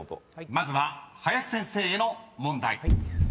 ［まずは林先生への問題］